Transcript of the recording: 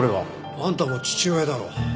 あんたも父親だろ。